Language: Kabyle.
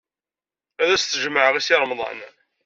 Ad as-t-jemɛeɣ i Si Remḍan.